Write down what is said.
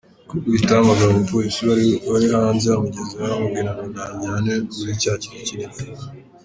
Niko guhita ahamagara umupolisi wari hanze amugezeho aramubwira ngo nanjyane muri cya kizu kinini.